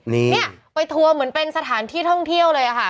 นี่เนี่ยไปทัวร์เหมือนเป็นสถานที่ท่องเที่ยวเลยอะค่ะ